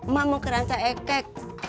ma mau keranca ekek